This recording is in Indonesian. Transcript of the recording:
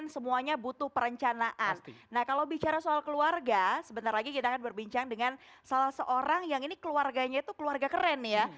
salah seorang yang ini keluarganya itu keluarga keren ya